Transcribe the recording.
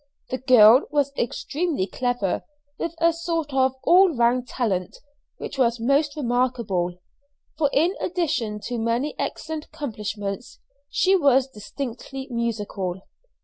The girl was extremely clever, with a sort of all round talent which was most remarkable; for in addition to many excellent accomplishments, she was distinctly musical.